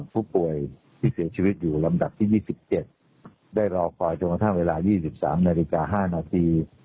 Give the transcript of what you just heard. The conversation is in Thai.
ผู้ป่วยที่เสียชีวิตอยู่ลำดับที่๒๗ได้รอคอยจนกระทั่งเวลา๒๓นาฬิกา๕นาที